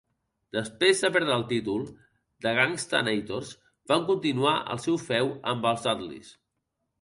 Després de perdre el títol, The Gangstanators van continuar el seu feu amb els Dudleys.